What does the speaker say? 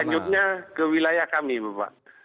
selanjutnya ke wilayah kami bapak